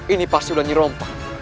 ini pas sudah dirompak